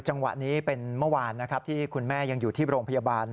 จังหวะนี้เป็นเมื่อวานที่คุณแม่ยังอยู่ที่โรงพยาบาล